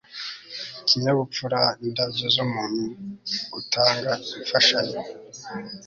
Ikinyabupfura indabyo zumuntu utanga imfashanyo